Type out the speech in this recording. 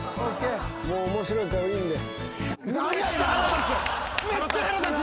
もう面白い顔いいんで。